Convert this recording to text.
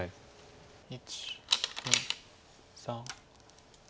１２３。